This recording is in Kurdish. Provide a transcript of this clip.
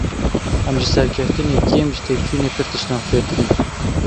Em ji serkeftînê kêm, ji têkçûnê pir tiştan fêr dibin.